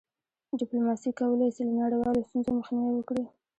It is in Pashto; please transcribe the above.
ډيپلوماسي کولی سي له نړیوالو ستونزو مخنیوی وکړي.